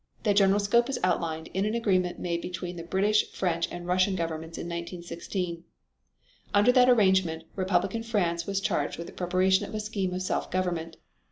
Their general scope was outlined in an agreement made between the British, French and Russian governments in 1916. Under that arrangement Republican France was charged with the preparation of a scheme of self government.